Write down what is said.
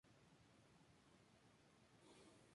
Máximo Gorki calificó al autor de "escritor tenebroso".